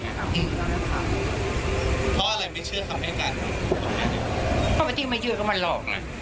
เพราะอะไรไม่เชื่อคำให้กันเพราะว่าที่ไม่เชื่อก็มันหลอก